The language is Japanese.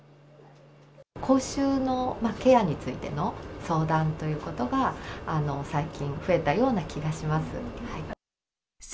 口臭のケアについての相談ということが、最近、増えたような気がします。